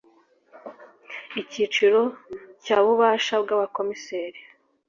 Icyiciro cya ububasha bw abakomiseri